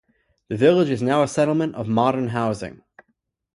The village is now a settlement of modern housing.